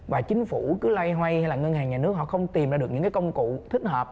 và chính phủ cứ loay hoay hay là ngân hàng nhà nước họ không tìm ra được những công cụ thích hợp